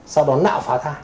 sau đó nạo phá thai